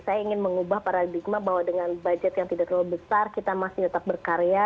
saya ingin mengubah paradigma bahwa dengan budget yang tidak terlalu besar kita masih tetap berkarya